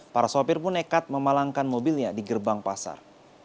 para sopir pun nekat memalangkan mobilnya di gerbang pasar